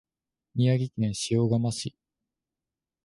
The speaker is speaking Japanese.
宮城県塩竈市